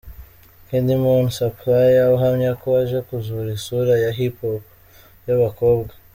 CandyMoon Supplier uhamya ko aje kuzura isura ya Hip hop y'abakobwa.